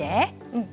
うん。